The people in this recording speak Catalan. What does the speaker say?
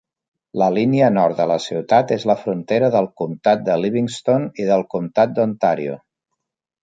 La línia nord de la ciutat és la frontera del comtat de Livingston i del comtat d'Ontario.